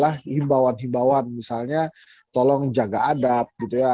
ada himbauan himbauan misalnya tolong jaga adab gitu ya